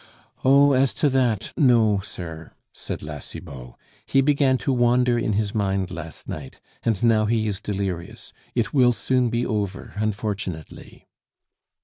"Oh, as to that, no, sir," said La Cibot. "He began to wander in his mind last night, and now he is delirious. It will soon be over, unfortunately."